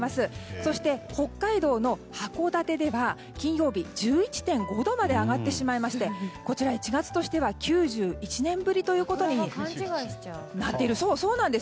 そして、北海道の函館では金曜日、１１．５度まで上がってしまいましてこちら、１月としては９１年ぶりということになっているんです。